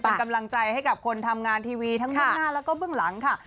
เป็นกำลังใจให้กับคนทำงานทีวีทั้งเบื้องหน้าแล้วก็เบื้องหลังค่ะ